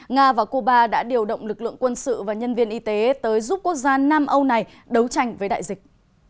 nga và cuba đã điều động lực lượng quân sự và nhân viên y tế tới giúp quốc gia nam âu này đấu tranh với đại dịch